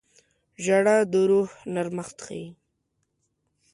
• ژړا د روح نرمښت ښيي.